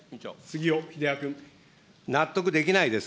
納得できないです。